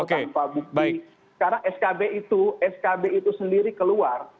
tapi sekarang skb itu skb itu sendiri keluar